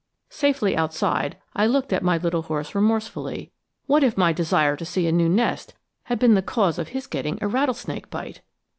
Safely outside, I looked at my little horse remorsefully what if my desire to see a new nest had been the cause of his getting a rattlesnake bite!